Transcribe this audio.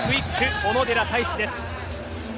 小野寺太志です。